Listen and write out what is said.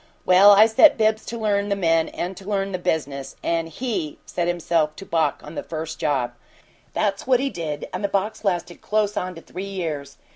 Well, I set Bibbs to learn the men and to learn the business, and HE set himself to balk on the first job! That's what he did, and the balk's lasted close on to three years.